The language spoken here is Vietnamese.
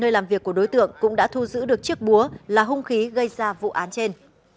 nơi làm việc của đối tượng cũng đã thu giữ được chiếc búa là hung khí gây ra vụ án trên